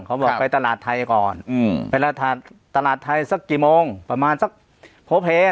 เขาบอกไปตลาดไทยก่อนเวลาตลาดไทยสักกี่โมงประมาณสักโพเพ